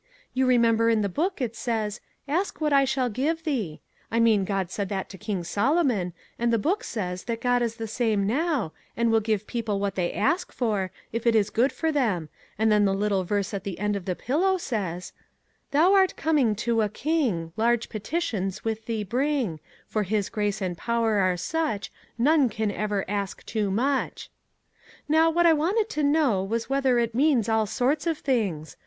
You remember in the Book it says: 'Ask what I shall give thee.' I mean God said that to King Solomon, and the Book says that God is the same now, and will give people what they ask for, if it is 61 MAG AND MARGARET good for them, and then the little verse at the end of the ' Pillow ' says :' Thou art coming to a King, Large petitions with thee bring; For his grace and power are such None can ever ask too much.' Now, what I wanted to know was whether it means all sorts of things.